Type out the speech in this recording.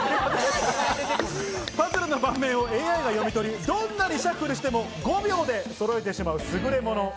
パズルの盤面をＡＩが読み取り、どんなにシャッフルしても５秒でそろえてしまう、すぐれもの。